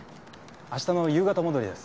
明日の夕方戻りです。